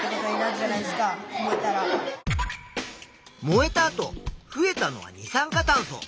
燃えた後増えたのは二酸化炭素。